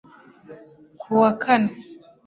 ku wa kane